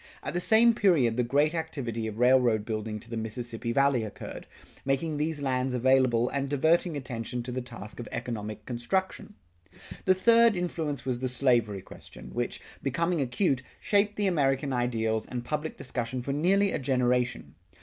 At the same period the great activity of railroad building to the Mississippi Valley occurred, making these lands available and diverting attention to the task of economic construction. The third influence was the slavery question which, becoming acute, shaped the American ideals and public discussion for nearly a generation.